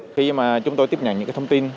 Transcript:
khi chúng tôi tiếp nhận những thông tin